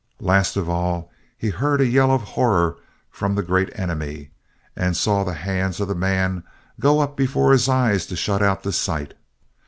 Last of all, he heard a yell of horror from the Great Enemy and saw the hands of the man go up before his eyes to shut out the sight.